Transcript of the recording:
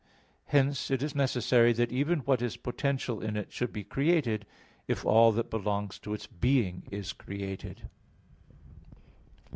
Hence it is necessary that even what is potential in it should be created, if all that belongs to its being is created.